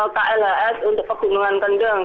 klhs untuk pegunungan kendeng